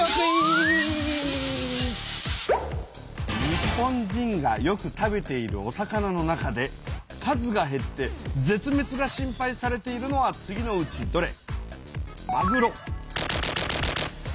日本人がよく食べているお魚の中で数がへって絶滅が心配されているのは次のうちどれ？